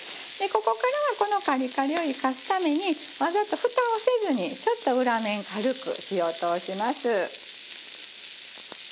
でここからはこのカリカリを生かすためにわざと蓋をせずにちょっと裏面軽く火を通します。